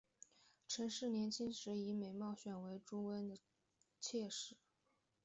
陈氏年轻时以美色选为朱温的妾室。